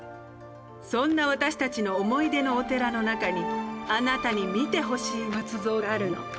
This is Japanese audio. そんな私たちの思い出のお寺の中にあなたに見てほしい仏像があるの。